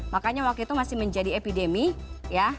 makanya waktu itu masih menjadi epidemi ya